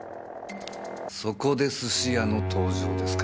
そこで寿司屋の登場ですか。